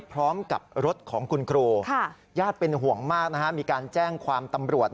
พร้อมกับรถของคุณครูญาติเป็นห่วงมากมีการแจ้งความตำรวจ